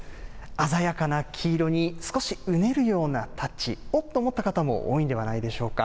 鮮やかな黄色に、少しうねるようなタッチ、おっと思った方も多いんではないでしょうか。